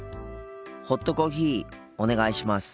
ホットコーヒーお願いします。